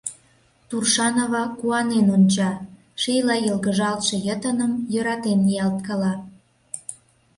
Туршанова куанен онча, шийла йылгыжалтше йытыным йӧратен ниялткала.